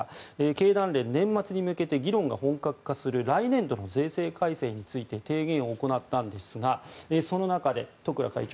経団連、年末に向けて議論が本格化する来年度の税制改正について提言を行ったんですがその中で十倉会長